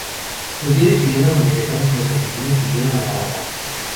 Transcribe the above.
Los diarios chilenos manifestaron que los asesinos huyeron a Tarata.